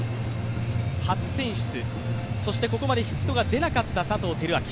初選出、そしてここまでヒットが出なかった佐藤輝明。